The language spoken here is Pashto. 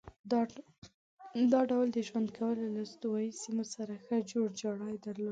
دا ډول د ژوند کولو له استوایي سیمو سره ښه جوړ جاړی درلود.